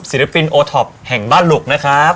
ศิลปินโอท็อปแห่งบ้านหลุกนะครับ